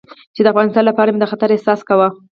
چې د افغانستان لپاره مې د خطر احساس کاوه.